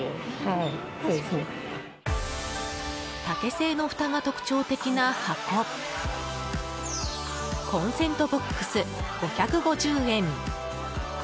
竹製のふたが特徴的な箱コンセントボックス、５５０円。